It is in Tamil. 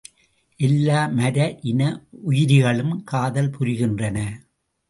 எல்லா மர இன உயிரிகளும் காதல் புரிகின்றன.